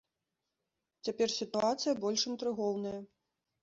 Цяпер сітуацыя больш інтрыгоўная.